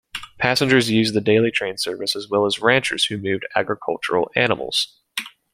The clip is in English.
Passengers used the daily train service, as well as ranchers who moved agricultural animals.